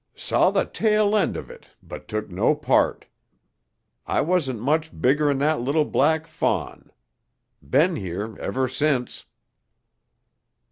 "Saw the tail end of it but took no part. I wasn't much bigger'n that little black fawn. Been here ever since."